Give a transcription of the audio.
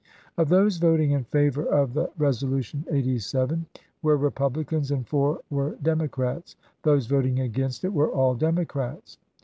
Of those voting in favor of the Res olution eighty seven were Republicans and four were Democrats.1 Those voting against it were all Democrats.